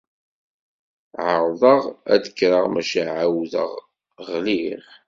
Ԑerḍeɣ ad d-kkreɣ, maca εawdeɣ ɣliɣ.